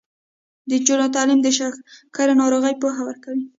د نجونو تعلیم د شکرې ناروغۍ پوهه ورکوي.